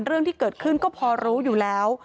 เรื่องที่เกิดขึ้นก็พอรู้อยู่แล้ว